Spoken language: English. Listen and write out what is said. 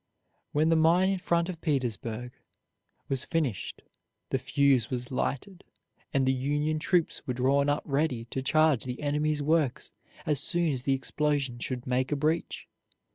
When the mine in front of Petersburg was finished the fuse was lighted and the Union troops were drawn up ready to charge the enemy's works as soon as the explosion should make a breach.